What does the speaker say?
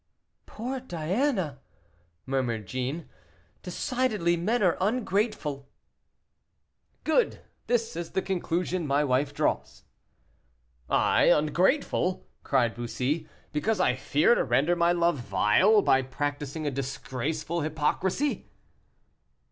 "Poor Diana!" murmured Jeanne, "decidedly men are ungrateful." "Good! this is the conclusion my wife draws." "I, ungrateful!" cried Bussy, "because I fear to render my love vile, by practising a disgraceful hypocrisy?"